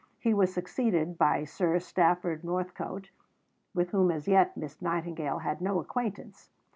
He was succeeded by Sir Stafford Northcote, with whom as yet Miss Nightingale had no acquaintance.